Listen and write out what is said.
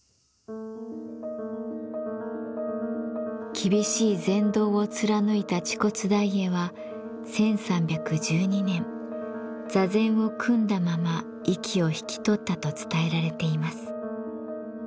厳しい禅道を貫いた癡兀大慧は１３１２年座禅を組んだまま息を引き取ったと伝えられています。